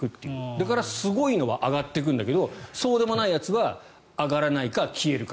だからすごいのは上がっていくんだけどそうでもないやつは上がらないか消えるか。